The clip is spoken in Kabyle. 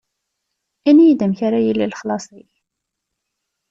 Ini-yi-d amek ara yili lexlaṣ-ik?